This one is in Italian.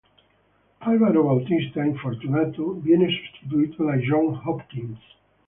Álvaro Bautista, infortunato, viene sostituito da John Hopkins.